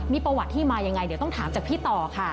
มีประวัติที่มายังไงเดี๋ยวต้องถามจากพี่ต่อค่ะ